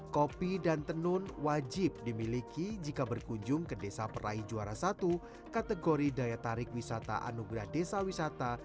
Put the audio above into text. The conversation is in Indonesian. kopi dan tenun wajib dimiliki jika berkunjung ke desa peraih juara satu kategori daya tarik wisata anugerah desa wisata